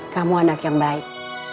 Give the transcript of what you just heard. kamu anak yang baik